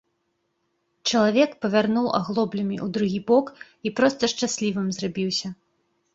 Чалавек павярнуў аглоблямі ў другі бок і проста шчаслівым зрабіўся.